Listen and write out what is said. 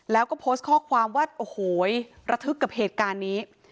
แล้วก็โพสต์ข้อความว่าโอ้โหระทึกกับเหตุการณ์นี้